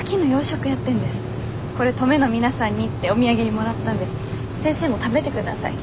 これ登米の皆さんにってお土産にもらったんで先生も食べてください。